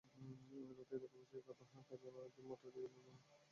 রাতে এলাকাবাসী বাহার কাছনা জুম্মাটারী এলাকার পুকুরপাড়ে একটি মৃতদেহ পড়ে থাকতে দেখেন।